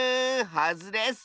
はずれッス。